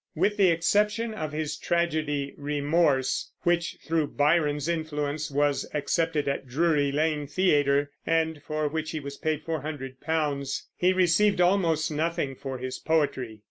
With the exception of his tragedy Remorse, which through Byron's influence was accepted at Drury Lane Theater, and for which he was paid £400, he received almost nothing for his poetry.